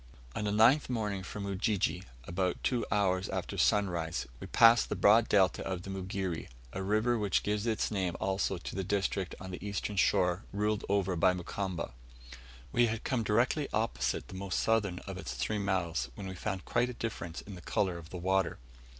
On the ninth morning from Ujiji, about two hours after sunrise, we passed the broad delta of the Mugere, a river which gives its name also to the district on the eastern shore ruled over by Mukamba. We had come directly opposite the most southern of its three mouths, when we found quite a difference in the colour of the water.